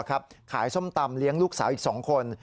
ขายส้มตำเลี้ยงลูกสาวอีก๒คน